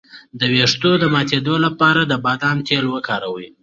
د ویښتو د ماتیدو لپاره د بادام تېل وکاروئ